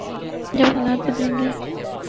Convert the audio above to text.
جب حالات بدلیں گے۔